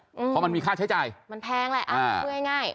เพราะมันมีค่าใช้จ่ายมันแพงเลยช่วยง่าย